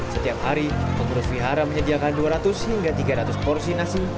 setiap hari pengurus wihara menyediakan dua ratus hingga tiga ratus porsi nasi